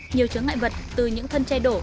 nhiều chứa ngại vật từ những thân che đổ